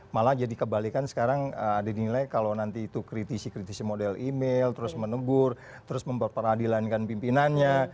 malah jadi kebalikan sekarang ada dinilai kalau nanti itu kritisi kritisi model email terus menegur terus memperadilankan pimpinannya